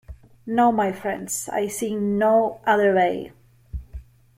No, my friends, I see no other way.